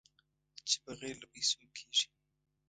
چې بغیر له پېسو کېږي.